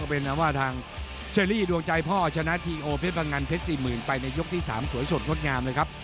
เป็นว่าทางเชอรี่ดวงใจพ่อชนะทีโอเพชรพังงันเพชร๔๐๐๐ไปในยกที่๓สวยสดงดงามเลยครับ